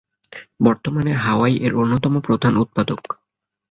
বর্তমানে হাওয়াই এর অন্যতম প্রধান উৎপাদক।